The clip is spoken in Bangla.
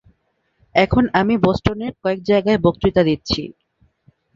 এখন আমি বষ্টনের কয়েক জায়গায় বক্তৃতা দিচ্ছি।